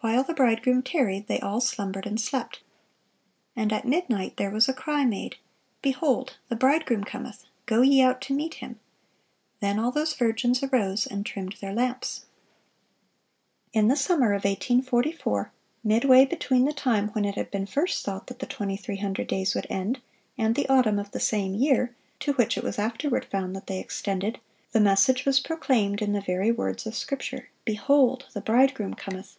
"While the bridegroom tarried, they all slumbered and slept. And at midnight there was a cry made, Behold, the bridegroom cometh; go ye out to meet him. Then all those virgins arose, and trimmed their lamps."(649) In the summer of 1844, midway between the time when it had been first thought that the 2300 days would end, and the autumn of the same year, to which it was afterward found that they extended, the message was proclaimed in the very words of Scripture, "Behold, the Bridegroom cometh!"